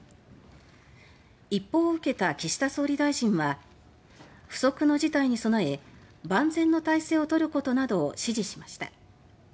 一報を受けた岸田総理大臣は「不測の事態に備え万全の態勢をとること」などを指示しました。